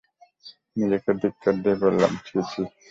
নিজকে ধিক্কার দিয়ে বললাম, ছি ছি!